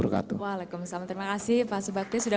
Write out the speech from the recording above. juga aturan selama di res area